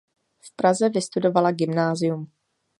V Praze vystudovala gymnázium.